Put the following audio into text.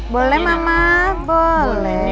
boleh mama boleh